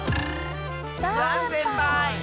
ダンせんぱい！